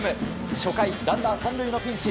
初回、ランナー３塁のピンチ。